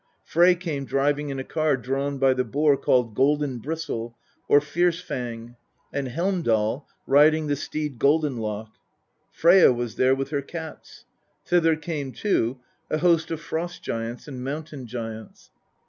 Frey came driving in a car drawn by the boar called Golden bristle or Fierce tang, and Heimdal riding the steed Golden lock. Freyja was there with her cats. Thither came, too, a host of Frost giants and Mountain giants.